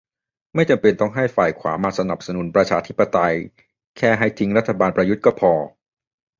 ไม่จำเป็นต้องให้ฝ่ายขวามาสนับสนุนประชาธิปไตย แค่ให้ทิ้งรัฐบาลประยุทธ์ก็พอ